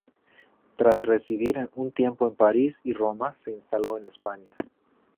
Tras residir un tiempo en París y Roma, se instaló en España.